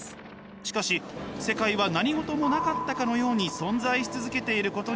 しかし世界は何事もなかったかのように存在し続けていることに気付きます。